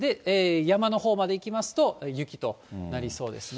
山のほうまでいきますと、雪となりそうですね。